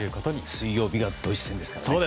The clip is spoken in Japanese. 水曜日がドイツ戦ですからね。